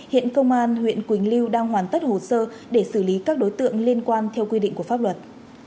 hiện công an huyện quỳnh lưu đang hoàn tất hồ sơ để xử lý các đối tượng liên quan theo quy định của pháp luật